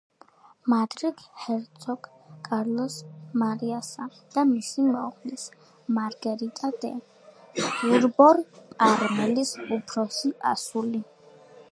მადრიდის ჰერცოგ კარლოს მარიასა და მისი მეუღლის, მარგერიტა დე ბურბონ-პარმელის უფროსი ასული.